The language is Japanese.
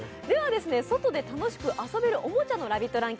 では外で楽しく遊べるおもちゃのラヴィット！